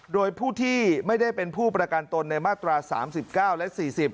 โดยผู้ที่ไม่ได้เป็นผู้ประกันตนในมาตรา๓๙และ๔๐